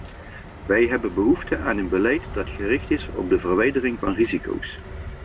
Wij hebben behoefte aan een beleid dat gericht is op de verwijdering van risico's.